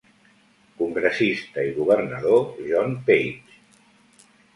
Congressista i governador John Page.